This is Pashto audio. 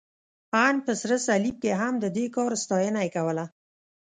ان په سره صلیب کې هم، د دې کار ستاینه یې کوله.